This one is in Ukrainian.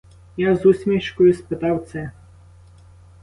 Я з усмішкою спитав це.